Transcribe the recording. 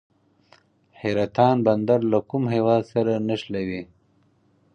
حیرتان بندر له کوم هیواد سره نښلوي؟